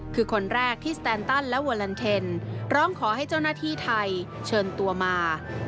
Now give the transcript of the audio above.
คือคนแรกที่สแตนตันและเวอร์ลันเทนร้องขอให้เจ้าหน้าที่ไทยเชิญตัวมา